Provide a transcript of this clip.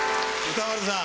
歌丸さん。